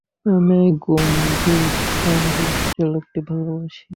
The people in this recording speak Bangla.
আমি এই গম্ভীর, স্বল্পভাষী লোকটিকে ভালবাসি।